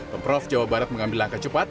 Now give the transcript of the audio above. pemprov jawa barat mengambil langkah cepat